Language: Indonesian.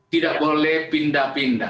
tidak boleh pindah pindah